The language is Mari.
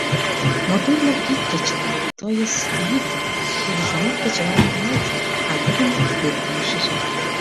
Моторлык — ик кечылан... тоес йӱдлан, тудыжымат кечывалым гына ужат, а йӱдым кидет дене шижат.